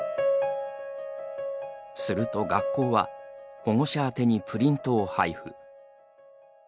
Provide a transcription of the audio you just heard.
すると学校は保護者宛てにプリントを配布。